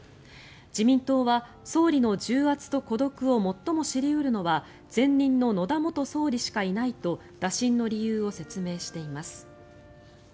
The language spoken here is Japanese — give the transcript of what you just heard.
自民党は総理の重圧と孤独を最も知り得るのは前任の野田元総理しかいないと打診の理由を説明しています。